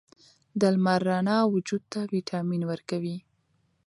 د لمر رڼا وجود ته ویټامین ورکوي.